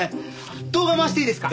動画回していいですか？